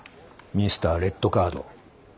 ミスター・レッドカード。